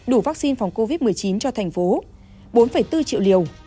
đủ vaccine phòng covid một mươi chín cho thành phố bốn bốn triệu liều